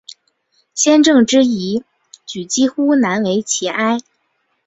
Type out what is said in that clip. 先正之义举几乎难为继矣。